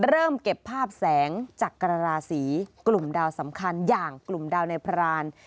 เริ่มเก็บภาพแสงจากกระราศีกลุ่มดาวสำคัญอย่างกลุ่มดาวในพราน